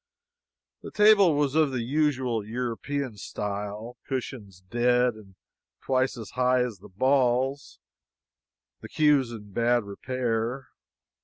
The table was of the usual European style cushions dead and twice as high as the balls; the cues in bad repair.